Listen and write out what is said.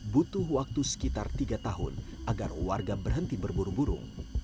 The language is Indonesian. butuh waktu sekitar tiga tahun agar warga berhenti berburu buru